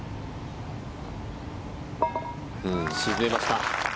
沈めました。